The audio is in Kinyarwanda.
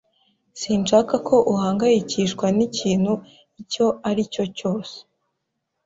Sinshaka ko uhangayikishwa n'ikintu icyo ari cyo cyose.